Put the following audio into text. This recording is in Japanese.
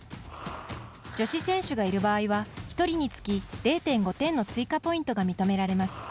女子選手がいる場合は１人につき０．５点の追加ポイントが認められます。